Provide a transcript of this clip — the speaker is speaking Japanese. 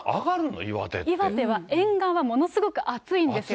岩手は沿岸はものすごく暑いんですよ。